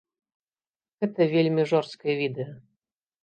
Гэта вельмі жорсткае відэа.